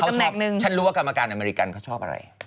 ชั้นได้รู้ว่ากรรมการอเมริกันเขาชอบอะไร